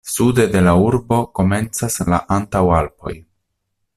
Sude de la urbo komencas la Antaŭalpoj.